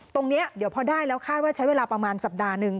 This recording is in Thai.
ตรงนี้เดี๋ยวพอได้แล้วคาดว่าใช้เวลาประมาณสัปดาห์หนึ่ง